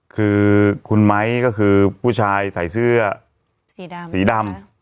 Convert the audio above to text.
คือคุณไม้ก็คือผู้ชายใส่เสื้อสีดำสีดำ